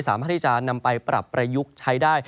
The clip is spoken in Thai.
สามารถที่จะนำไปปรับประยุกต์ใช้ได้